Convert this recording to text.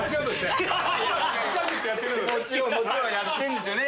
もちろんもちろんやってんですよね